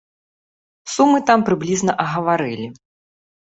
Сумы там прыблізна агаварылі.